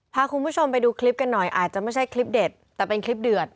พาคุณผู้ชมไปดูคลิปกันหน่อยอาจจะไม่ใช่คลิปเด็ดแต่เป็นคลิปเดือด